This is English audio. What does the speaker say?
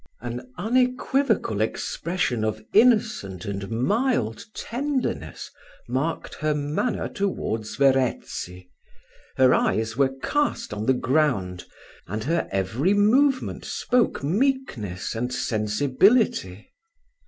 An unequivocal expression of innocent and mild tenderness marked her manner towards Verezzi: her eyes were cast on the ground, and her every movement spoke meekness and sensibility.